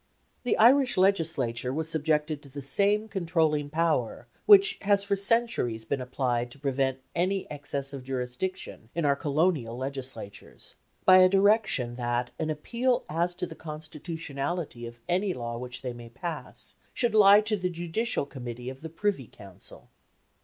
The Irish Legislature was subjected to the same controlling power which has for centuries been applied to prevent any excess of jurisdiction in our Colonial Legislatures, by a direction that an appeal as to the constitutionality of any laws which they might pass should lie to the Judicial Committee of the Privy Council.